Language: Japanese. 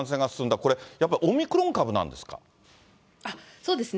これ、やっぱり、オミクロン株なそうですね。